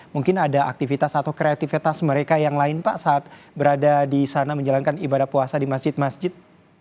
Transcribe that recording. mungkin ada aktivitas atau kreativitas mereka yang lain pak saat berada di sana menjalankan ibadah puasa di masjid masjid